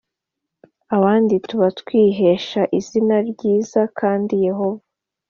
abandi tuba twihesha izina ryiza kandi Yehova